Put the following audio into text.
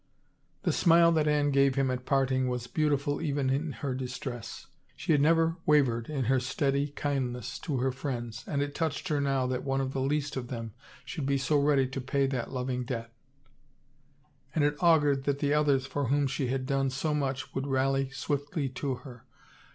The smile that Anne gave him at parting was beauti ful even in her distress. She had never wavered in her steady kindness to her friends and it touched her now that one of the least of them should be so ready to pay that loving debt. And it augured that the others for whom she had done so much would rally swiftly to her.